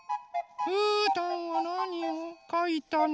うーたんはなにをかいたの？